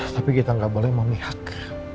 tapi kita nggak boleh memihak